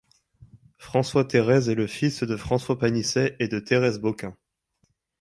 François-Thérèse est le fils de François Panisset et de Thérèse Boquin.